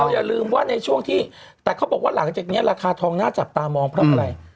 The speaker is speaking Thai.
อย่าลืมว่าในช่วงที่แต่เขาบอกว่าหลังจากนี้ราคาทองน่าจับตามองเพราะอะไร